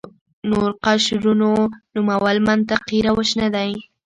نور قشرونو نومول منطقي روش نه دی.